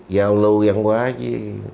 giao lưu văn hóa với